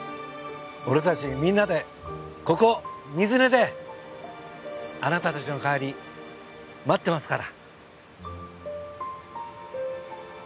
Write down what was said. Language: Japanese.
俺たちみんなでここ水根であなたたちの帰り待ってますから。